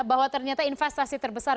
bahwa ternyata investasi terbesar